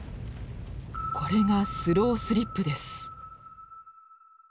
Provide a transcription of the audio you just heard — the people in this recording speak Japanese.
これがスロースリップです。